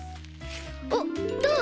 おっどう？